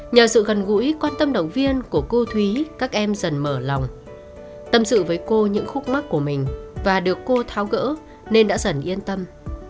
nhờ sự gần gũi quan tâm động viên của cô thúy các em dần mở lòng tâm sự với cô những khúc mắt của mình và được cô tháo gỡ nên đã dần yên tâm